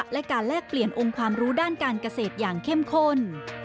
และการแลกเปลี่ยนองค์ความรู้ด้านการเกษตรอย่างเข้มข้น